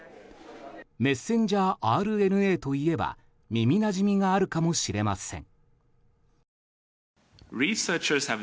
メッセンジャーＲＮＡといえば耳なじみがあるかもしれません。